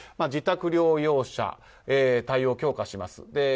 自宅療養者対応を強化します。